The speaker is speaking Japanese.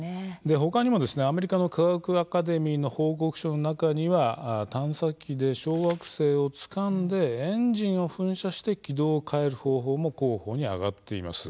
ほかにもアメリカの科学アカデミーの報告では探査機で小惑星をつかんでエンジンを噴射して軌道を変える方法も候補に挙がっています。